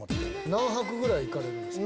何泊ぐらい行かれるんですか？